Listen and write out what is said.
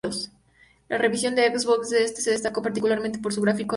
La versión de Xbox de este se destacó particularmente por sus gráficos realistas.